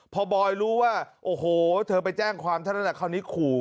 พอบอยรู้ว่าโอ้โหเธอไปแจ้งความทัศนภาค